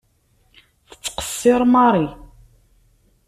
Tettqeṣṣiṛ Mary.